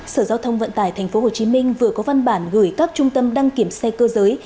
sở giao thông vận tải tp hcm vừa có văn bản gửi các trung tâm đăng kiểm xe cơ giới